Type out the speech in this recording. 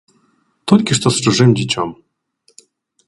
Толькі што з чужым дзіцем.